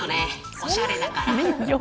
おしゃれだから。